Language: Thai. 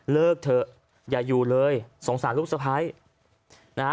เลิกเถอะอย่าอยู่เลยสงสารลูกสะพ้ายนะฮะ